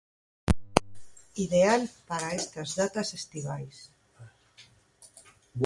Ideal para estas datas estivais.